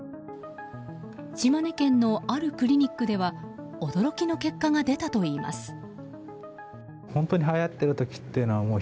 島根県のあるクリニックでは驚きの結果が出たといいます。